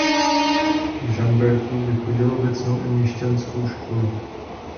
V Žamberku vychodil obecnou i měšťanskou školu.